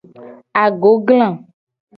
Agogla.